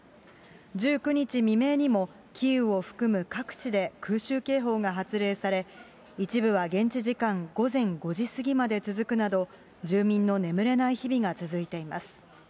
１９日未明にも、キーウを含む各地で空襲警報が発令され、一部は現地時間午前５時過ぎまで続くなど、住民の眠れない日々が続いています。